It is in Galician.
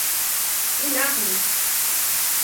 Milagres!